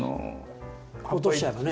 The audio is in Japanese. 落としちゃえばね。